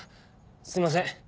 すいません。